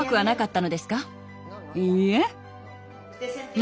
いいえ。